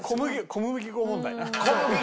小麦粉問題。